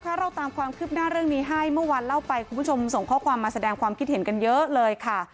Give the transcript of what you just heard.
ถ้าเราตามความคืบหน้าเรื่องนี้ให้เมื่อวานเล่าไปคุณผู้ชมส่งข้อความมาแสดงความคิดเห็นกันเยอะเลยค่ะ